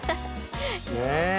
ねえ！